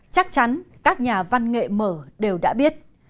chắc chắn các nhà văn nghệ mở đều đã biết